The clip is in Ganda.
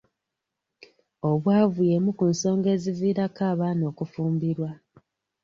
Obwavu y'emu ku nsonga eziviirako abaana okufumbirwa.